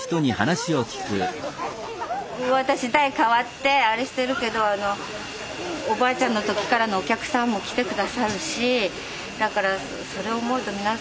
私代替わってあれしてるけどおばあちゃんの時からのお客さんも来て下さるしだからそれ思うと皆さんほんとに地元の方にも感謝してます